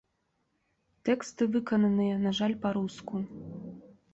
Тэксты выкананыя, на жаль, па-руску.